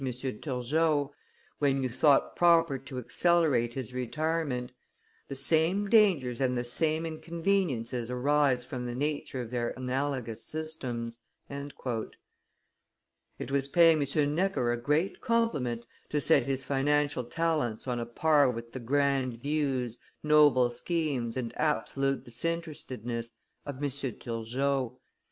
Turgot, when you thought proper to accelerate his retirement; the same dangers and the same inconveniences arise from the nature of their analogous systems." It was paying M. Necker a great compliment to set his financial talents on a par with the grand views, noble schemes, and absolute disinterestedness of M. Turgot.